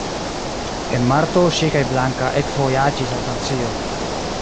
En marto ŝi kaj Blanka ekvojaĝis al Francio.